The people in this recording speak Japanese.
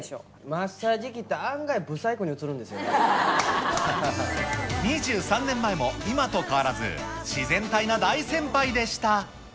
マッサージ機って、案外ぶさ２３年前も今と変わらず、自然体な大先輩でした。